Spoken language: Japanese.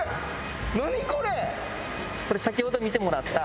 これ先ほど見てもらった。